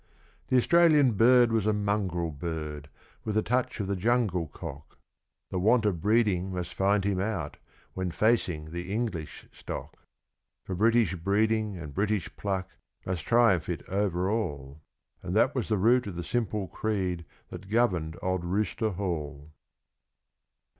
The Australian bird was a mongrel bird, with a touch of the jungle cock; The want of breeding must find him out, when facing the English stock; For British breeding, and British pluck, must triumph it over all And that was the root of the simple creed that governed old Rooster Hall.